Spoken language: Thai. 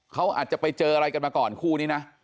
เขาอาจจะไปเจออะไรกันมาก่อนคู่นี้นะ